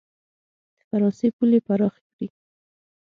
د فرانسې پولې پراخې کړي.